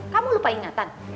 kamu lupa ingatan